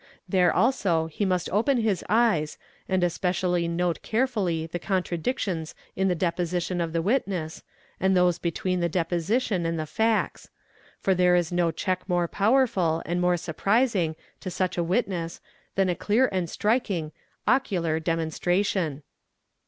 'There also he must open his eyes and especially note carefully the contradictions in the deposition of the witness, and those between the deposition and the facts; for there is no check more powerful and more surprising to such a witness than a clear and striking "ocular demonstration."